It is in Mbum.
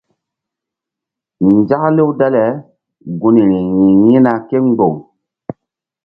Nzaklew dale gunri yi̧h yi̧hna kémboŋ.